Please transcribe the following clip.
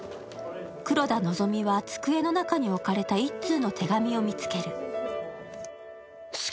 黒田希美は机の中に置かれた１通の手紙を見つける。